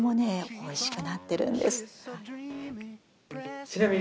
おいしくなってるんです。